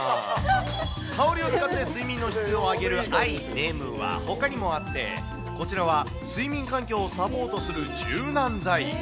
香りを使って睡眠の質を上げるアイねむは、ほかにもあって、こちらは睡眠環境をサポートする柔軟剤。